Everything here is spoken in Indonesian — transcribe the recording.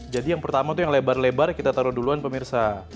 jadi yang pertama itu yang lebar lebar kita taruh duluan pemirsa